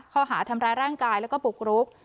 ข้อหาทำร้ายร่างกายแล้วก็บุกรุก